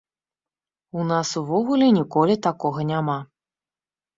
У нас увогуле ніколі такога няма.